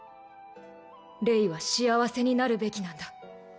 レイは幸せになるべきなんだ